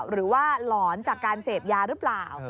หรือว่าหลอนจากการเสพยาหรือเปล่า